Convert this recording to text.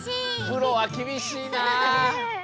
プロはきびしいな。